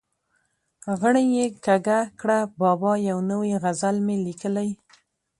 غړۍ یې کږه کړه: بابا یو نوی غزل مې لیکلی.